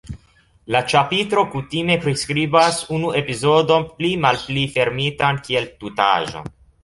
La ĉapitro kutime priskribas unu epizodon pli malpli fermitan kiel tutaĵon.